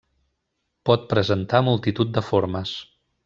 Pot presentar multitud de formes.